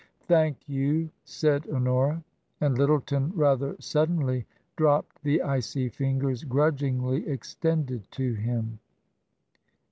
" Thank you," said Honora. And Lyttleton rather suddenly dropped the icy fingers grudgingly extended to him.